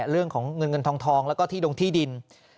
เรื่องของเงินเงินทองแล้วก็ที่ดงที่ดิน